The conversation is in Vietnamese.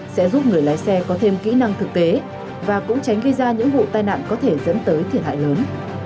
sẽ giúp người lái xe có thêm kỹ năng thực tế và cũng tránh gây ra những vụ tai nạn có thể dẫn tới thiệt hại lớn